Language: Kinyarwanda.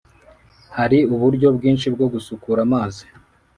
Hari uburyo bwinshi bwo gusukura amazi.